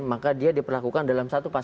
maka dia diperlakukan dalam satu pasal